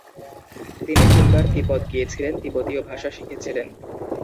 তিনি তিন বার তিব্বত গিয়েছিলেন, তিব্বতীয় ভাষা শিখেছিলেন।